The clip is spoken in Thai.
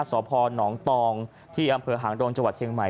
สพนตองที่อำเภอหางดงจังหวัดเชียงใหม่